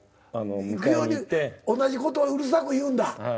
いくように同じことをうるさく言うんだ。